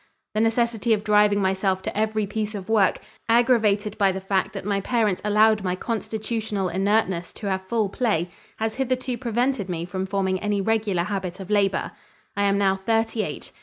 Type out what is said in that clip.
The necessity of driving myself to every piece of work, aggravated by the fact that my parents allowed my constitutional inertness to have full play, has hitherto prevented me from forming any regular habit of labor. I am now thirty eight.